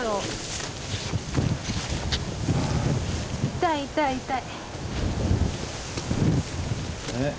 痛い痛い痛い。